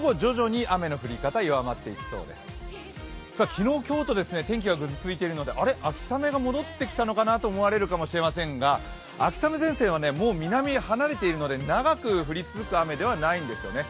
昨日、今日と天気がぐずついているので、あれっ、秋雨が戻ってきたのかなと思われるかもしれませんが秋雨前線はもう南に離れているので長く降り続く雨ではないんですよね。